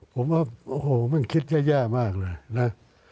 ผมว่าโอ้โหมันคิดแย่มากเลยนะ